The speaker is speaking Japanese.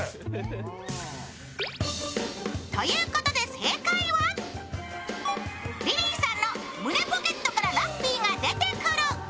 正解は、リリーさんの胸ポケットからラッピーが出てくる。